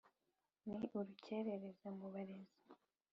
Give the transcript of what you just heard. ni urukerereza mu barezi.